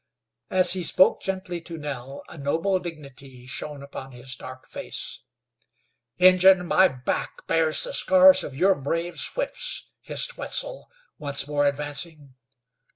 As he spoke gently to Nell a noble dignity shone upon his dark face. "Injun, my back bears the scars of your braves' whips," hissed Wetzel, once more advancing.